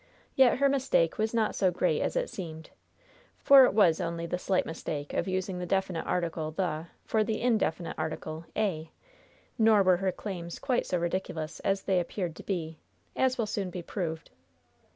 Yet her mistake was not so great as it seemed, for it was only the slight mistake of using the definite article "the" for the indefinite article "a," nor were her claims quite so ridiculous as they appeared to be, as will soon be proved.